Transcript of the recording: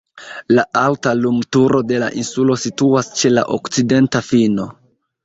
La alta lumturo de la insulo situas ĉe la okcidenta fino.